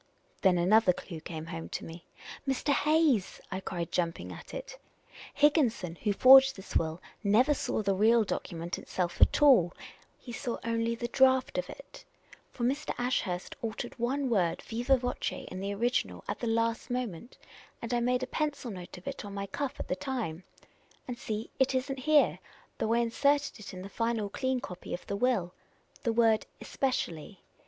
Then another clue came home to me. Mr. Hayes," I cried, jumping at it, " Higgiii.son, who forged this will, never saw the real document itself at all ; he saw only the draft ; 326 Miss Cayley's Adventures for Mr. Asluirst altered one word viva voce in the original at the last moment, and I made a pencil note of it on my cuff at the time : and see, it is n't here, though I inserted it in the final clean copy of the will — the word ' especially.'